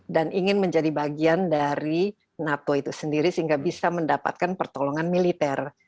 dan ingin menjadi bagian dari nato itu sendiri sehingga bisa mendapatkan pertolongan militer